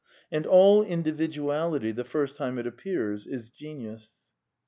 And all individuality — the " first time it appears — is genius.